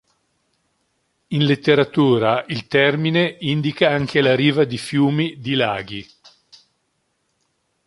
In letteratura, il termine indica anche la riva di fiumi, di laghi.